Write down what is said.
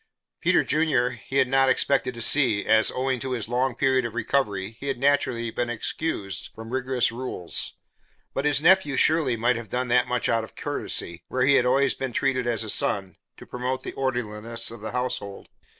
Peter Junior he had not expected to see, as, owing to his long period of recovery, he had naturally been excused from rigorous rules, but his nephew surely might have done that much out of courtesy, where he had always been treated as a son, to promote the orderliness of the household.